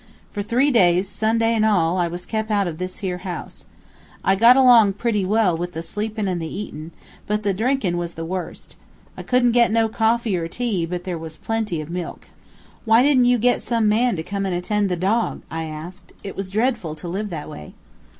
For three days, Sunday an' all, I was kep' out of this here house. I got along pretty well with the sleepin' and the eatin', but the drinkin' was the worst. I couldn't get no coffee or tea; but there was plenty of milk." "Why didn't you get some man to come and attend to the dog?" I asked. "It was dreadful to live that way."